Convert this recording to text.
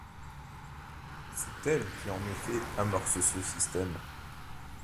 C'est elle qui en effet amorce ce système.